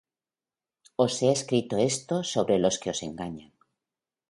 Os he escrito esto sobre los que os engañan.